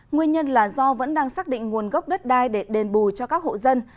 nguyên nhân là do vẫn đang xác định nguồn gốc đất đai để đền bù cho các hộ dân